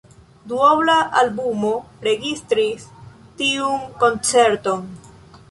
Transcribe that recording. Duobla albumo registris tiun koncerton.